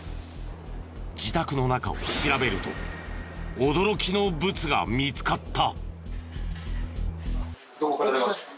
自宅の中を調べると驚きのブツが見つかった。